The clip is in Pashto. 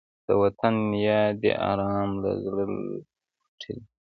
د وطن یاد دې ارام له زړه لوټلی